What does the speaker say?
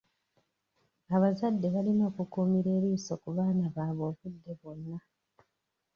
Abazadde balina okukuumira eriiso ku baana baabwe obudde bwonna.